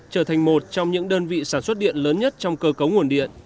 trở thành một trong những đơn vị sản xuất điện lớn nhất trong cơ cấu nguồn điện